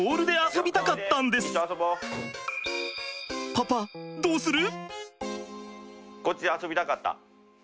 パパどうする？